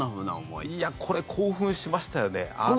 いや、これ興奮しましたよね。